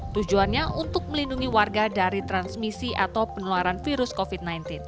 tujuannya untuk melindungi warga dari transmisi atau penularan virus covid sembilan belas